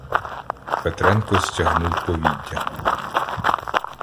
Петренко стягнув повіддя.